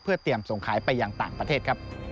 เพื่อเตรียมส่งขายไปยังต่างประเทศครับ